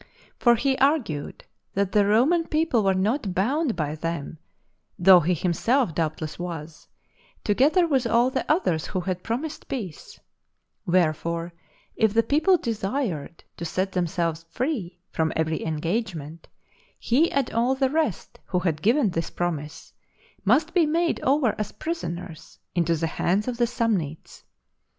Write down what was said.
For he argued that the Roman people were not bound by them, though he himself doubtless was, together with all the others who had promised peace; wherefore, if the people desired to set themselves free from every engagement, he and all the rest who had given this promise must be made over as prisoners into the hands of the Samnites.